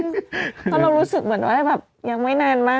เพราะเรารู้สึกเหมือนว่าแบบยังไม่นานมาก